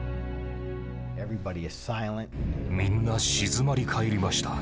みんな静まり返りました。